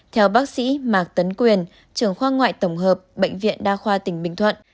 theo bác sĩ mạc tấn quyền trưởng khoa ngoại tổng hợp bệnh viện đa khoa tỉnh bình thuận